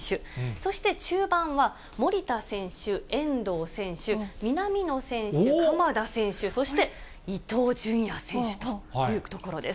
そして中盤は、守田選手、遠藤選手、南野選手、鎌田選手、そして伊東純也選手というところです。